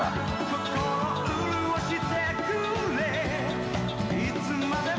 「心潤してくれいつまでも」